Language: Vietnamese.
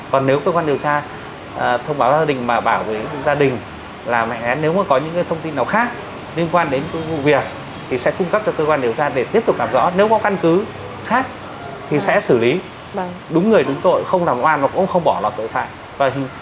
còn nếu cơ quan điều tra thông báo gia đình mà bảo với gia đình làm mạnh án nếu mà có những thông tin nào khác liên quan đến vụ việc thì sẽ cung cấp cho cơ quan điều tra để tiếp tục làm rõ nếu có căn cứ khác thì sẽ xử lý đúng người đúng tội không làm oan và cũng không bỏ lọt tội phạm